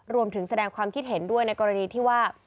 รวมถึงแสดงความคิดเห็นด้วยในกรณีที่ว่า